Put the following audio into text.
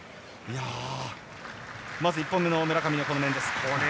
まず１本目の村上の面。